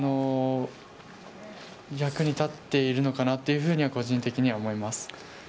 役に立っているのかなというふうには個人的には思います。